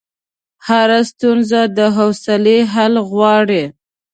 هره ستونزه د حوصلې حل غواړي.